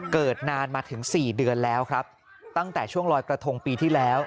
เกิดนานมาถึง๔เดือนแล้วครับตั้งแต่ช่วงลอยกระทงปีที่แล้ว